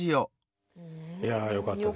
いやあよかったですね。